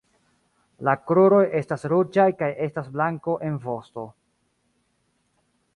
La kruroj estas ruĝaj kaj estas blanko en vosto.